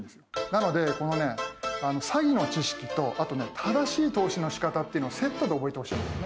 なのでこのね詐欺の知識とあとね正しい投資のしかたっていうのをセットで覚えてほしいんですね。